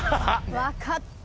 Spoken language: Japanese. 分かった。